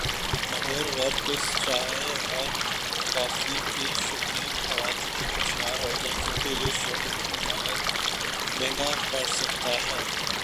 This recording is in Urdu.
لاہور ویب ڈیسک چائے اور کافی کی شوقین خواتین ہوشیار ہوجائیں کیونکہ یہ شوق ان کو خاص مہنگا پڑ سکتا ہے